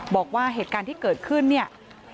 บอกว่าเหตุการณ์ที่เกิดขึ้นเนี่ย